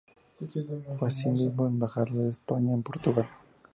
Fue, asimismo, embajador de España en Portugal.